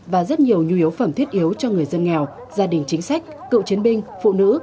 và rất nhiều nhu yếu phẩm thiết yếu cho người dân nghèo gia đình chính sách cựu chiến binh phụ nữ